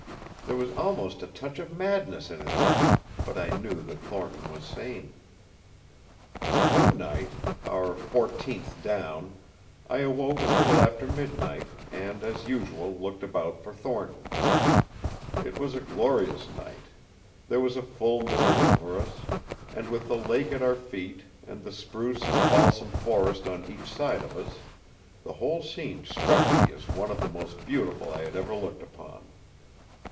There was almost a touch of madness in it all; but I knew that Thornton was sane. One night our fourteenth down I awoke a little after midnight, and as usual looked about for Thornton. It was glorious night. There was a full moon over us, and with the lake at our feet, and the spruce and balsam forest on each side of us, the whole scene struck me as one of the most beautiful I had ever looked upon.